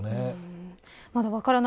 まだ分からない